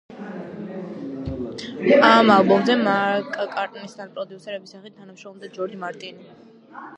ამ ალბომზე მაკ-კარტნისთან პროდიუსერის სახით თანამშრომლობდა ჯორჯ მარტინი.